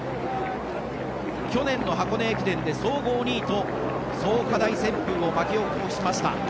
去年の箱根駅伝で総合２位と創価大旋風を巻き起こしました。